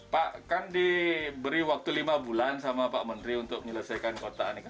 pak kan diberi waktu lima bulan sama pak menteri untuk menyelesaikan kota ini kan